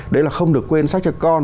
đấy là không được quên sách cho con